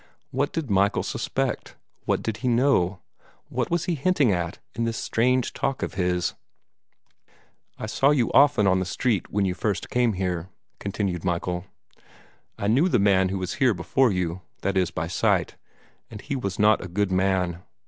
What did Michael suspect? What did he know? What was he hinting at, in this strange talk of his? "I saw you often on the street when first you came here," continued Michael. "I knew the man who was here before you that is, by sight and he was not a good man.